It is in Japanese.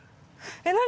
えっ何？